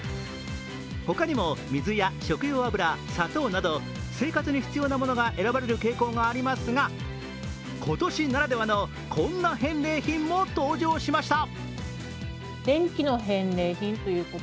他にも水や食用油、砂糖など生活に必要なものが選ばれる傾向がありますが今年ならではの、こんな返礼品も登場しました。